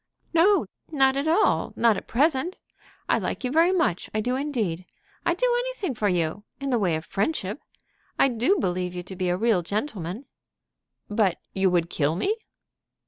"No, not at all; not at present. I like you very much. I do indeed. I'd do anything for you in the way of friendship. I believe you to be a real gentleman." "But you would kill me!"